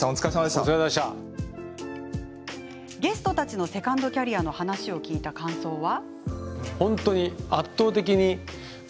ゲストたちのセカンドキャリアの話を聞いた感想は？